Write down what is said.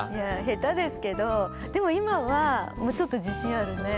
下手ですけどでも今はもうちょっと自信あるね。